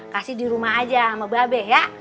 kasih di rumah aja sama babe ya